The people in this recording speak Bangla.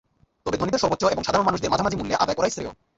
তবে ধনীদের সর্বোচ্চ এবং সাধারণ মানুষদের মাঝামাঝি মূল্যে আদায় করাই শ্রেয়।